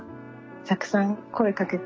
たくさん声かけて。